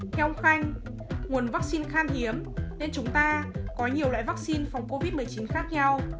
theo ông khanh nguồn vắc xin khan hiếm nên chúng ta có nhiều loại vắc xin phòng covid một mươi chín khác nhau